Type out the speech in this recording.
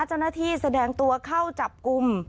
เจ้าหน้าที่แสดงตัวเข้าจับกุม